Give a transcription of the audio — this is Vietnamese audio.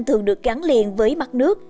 thường được gắn liền với mặt nước